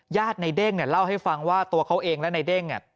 ในเด้งเนี่ยเล่าให้ฟังว่าตัวเขาเองและในเด้งเนี่ย